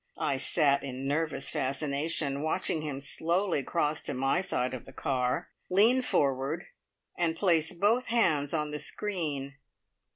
I sat in nervous fascination, watching him slowly cross to my side of the car, lean forward, and place both hands on the screen.